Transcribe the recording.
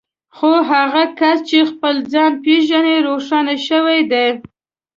خو هغه کس چې خپل ځان پېژني روښانه شوی دی.